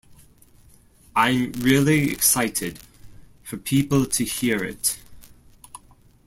I'm really excited for people to hear it.